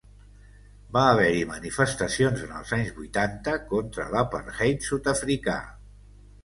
Va haver-hi manifestacions en els anys vuitanta contra l'apartheid sud-africà.